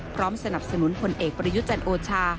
พร้อมสนับสนุนผลเอกประยุจันทร์โอชา